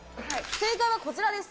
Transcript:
正解はこちらです。